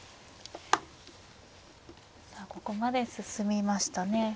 さあここまで進みましたね。